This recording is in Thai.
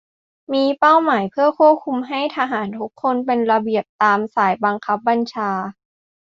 มีเป้าหมายเพื่อควบคุมให้ทหารทุกคนเป็นระเบียบตามสายบังคับบัญชา